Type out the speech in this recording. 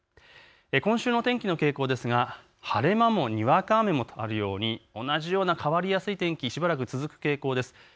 今週の天気の傾向ですが、晴れ間もにわか雨もとあるように同じような、変わりやすい天気しばらく続く傾向です。